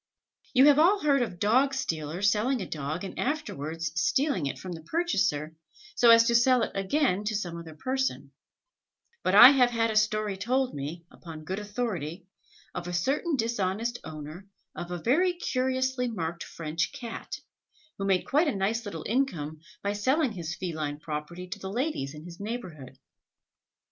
You have all heard of dog stealers selling a dog and afterwards stealing it from the purchaser, so as to sell it again to some other person; but I have had a story told me, upon good authority, of a certain dishonest owner of a very curiously marked French Cat, who made quite a nice little income by selling his feline property to the ladies in his neighbourhood.